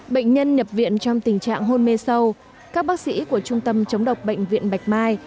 bệnh nhân nhập viện trong tình trạng hôn mê sâu các bác sĩ của trung tâm chống độc bệnh viện bạch mai